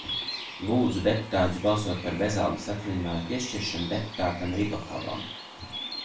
Lūdzu deputātus balsot par bezalgas atvaļinājuma piešķiršanu deputātam Ribakovam.